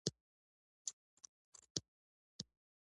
ولې په سپینو سترګو دوه مخي چلن کېږي.